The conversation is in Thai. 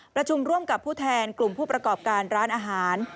ประชุมร่วมกับผู้แทนกลุ่มผู้ประกอบการร้านอาหาร